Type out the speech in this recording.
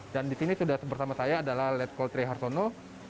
dan di sini sudah bersama saya adalah ledkoltri harsono